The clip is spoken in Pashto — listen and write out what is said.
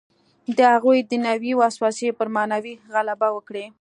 د هغوی دنیوي وسوسې پر معنوي غلبه وکړي.